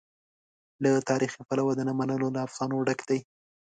له تاریخي پلوه د نه منلو له افسانو ډک دی.